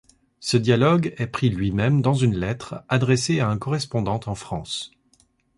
Ce dialogue est pris lui-même dans une lettre adressée à un correspondant en France.